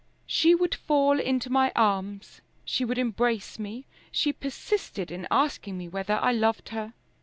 "She would fall into my arms; she would embrace me; she persisted in asking me whether I loved her!"